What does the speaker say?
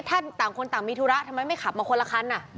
ถ้าต่างคนต่างมีธุระทำไมไม่ขับมาคนละคัน